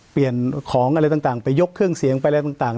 เปลี่ยนของอะไรต่างไปยกเครื่องเสียงไปอะไรต่าง